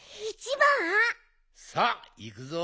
さあいくぞ。